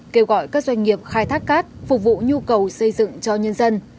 kêu gọi các doanh nghiệp khai thác cát phục vụ nhu cầu xây dựng cho nhân dân